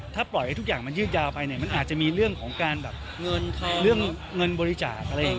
ถ้าปล่อยให้ทุกอย่างมันยืดยาวไปมันอาจจะมีเรื่องของการเงินบริจาค